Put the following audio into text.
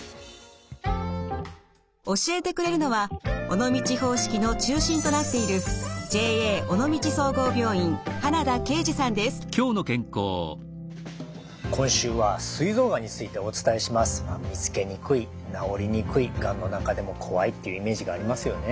教えてくれるのは尾道方式の中心となっている今週はすい臓がんについてお伝えしますが見つけにくい治りにくいがんの中でも怖いっていうイメージがありますよね？